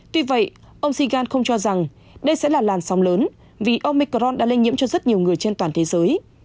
tuy vậy ông segan không cho rằng đây sẽ là làn sóng lớn vì omicron đã lây nhiễm cho rất nhiều người trên toàn thế giới